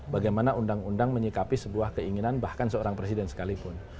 bagaimana undang undang menyikapi sebuah keinginan bahkan seorang presiden sekalipun